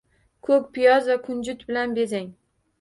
Ko‘k piyoz va kunjut bilan bezang